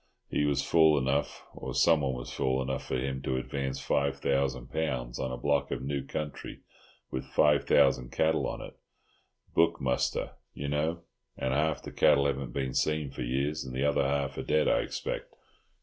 He was fool enough, or someone was fool enough for him, to advance five thousand pounds on a block of new country with five thousand cattle on it—book muster, you know, and half the cattle haven't been seen for years, and the other half are dead, I expect.